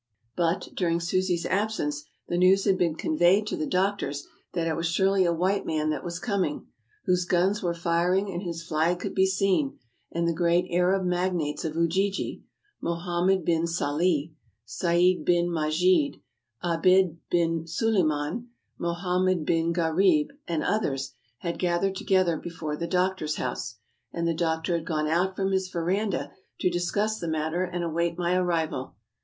But, during Susi 's absence, the news had been conveyed to the doctor that it was surely a white man that was com ing, whose guns were firing and whose flag could be seen ; and the great Arab magnates of Ujiji — Mohammed bin Sali, Sayd bin Majid, Abid bin Suliman, Mohammed bin Gharib, and others — had gathered together before the doctor's house, and the doctor had come out from his veranda to discuss the matter and await my arrival.